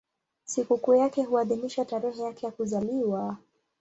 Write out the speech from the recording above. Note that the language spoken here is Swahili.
Sikukuu yake huadhimishwa tarehe yake ya kuzaliwa.